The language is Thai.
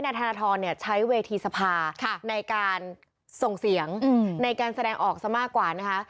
ธนทรใช้เวทีสภาในการส่งเสียงในการแสดงออกซะมากกว่านะคะ